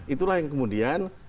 itulah yang kemudian